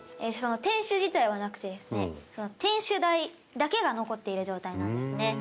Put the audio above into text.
天守自体はなくてですね天守台だけが残っている状態なんですね。